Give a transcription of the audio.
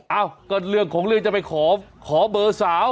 เอ้าก็เรื่องของเรื่องจะไปขอเบอร์สาว